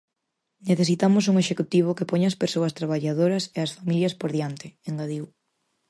Necesitamos un executivo que poña as persoas traballadoras e as familias por diante, engadiu.